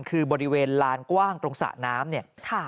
คือบริเวณลานกว้างตรงสระน้ำเนี่ย